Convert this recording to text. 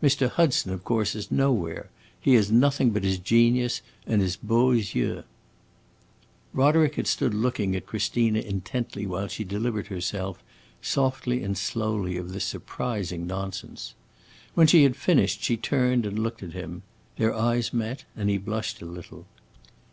Mr. Hudson, of course, is nowhere; he has nothing but his genius and his beaux yeux." Roderick had stood looking at Christina intently while she delivered herself, softly and slowly, of this surprising nonsense. When she had finished, she turned and looked at him; their eyes met, and he blushed a little.